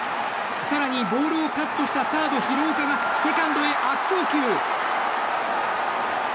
更にボールをカットしたサード、広岡がセカンドへ悪送球。